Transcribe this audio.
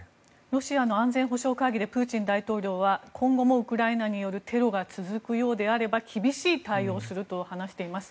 ロシアの安全保障会議でプーチン大統領は今後もウクライナによるテロが続くようであれば厳しい対応をすると話しています。